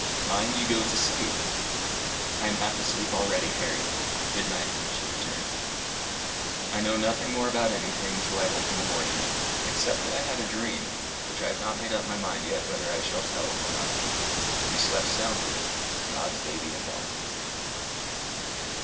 Mind you go to sleep." "I am half asleep already, Harry. Good night," she returned. I know nothing more about anything till I in the morning, except that I had a dream, which I have not made up my mind yet whether I shall tell or not. We slept soundly God's baby and all.